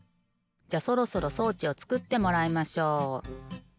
じゃそろそろ装置をつくってもらいましょう。